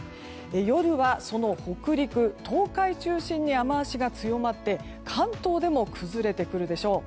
夜はその北陸・東海中心に雨脚が強まって関東でも崩れてくるでしょう。